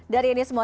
dari ini semua